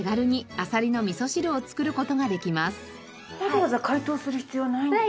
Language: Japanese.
わざわざ解凍する必要はない。